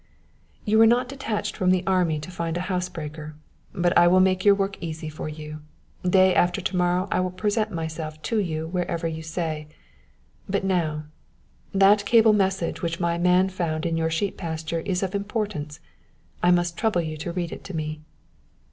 "You were not detached from the army to find a housebreaker. But I will make your work easy for you day after to morrow I will present myself to you wherever you say. But now that cable message which my man found in your sheep pasture is of importance. I must trouble you to read it to me."